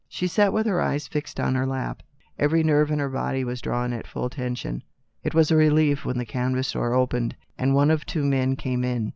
She sat with her eyes fixed on her lap. Every nerve in her body was drawn at full tension. It was a relief when the canvas door opened, and one or two men came in.